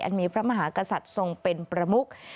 มีพระมหากษัตริย์ทรงเป็นประมุก